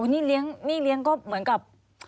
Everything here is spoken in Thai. นี่เลี้ยงก็เหมือนกับ